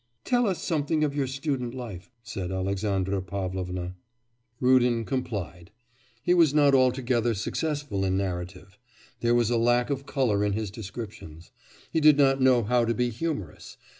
'Tell us something of your student life,' said Alexandra Pavlovna. Rudin complied. He was not altogether successful in narrative. There was a lack of colour in his descriptions. He did not know how to be humorous.